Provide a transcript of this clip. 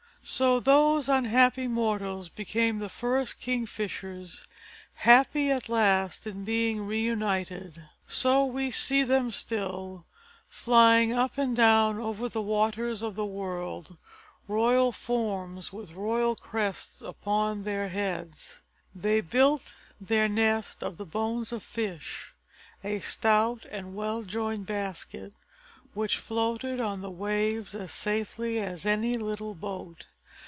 So those unhappy mortals became the first kingfishers, happy at last in being reunited. So we see them still, flying up and down over the waters of the world, royal forms with royal crests upon their heads. They built their nest of the bones of fish, a stout and well joined basket which floated on the waves as safely as any little boat.